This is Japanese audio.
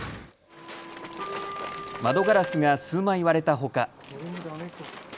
窓ガラスが数枚割れたほか。